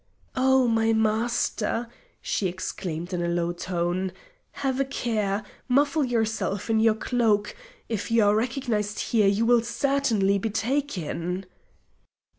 "Oh, my Master!" she exclaimed in a low tone; "have a care! Muffle yourself in your cloak! If you are recognised here you will certainly be taken!"